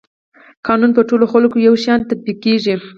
قانون په ټولو خلکو یو شان تطبیقیږي.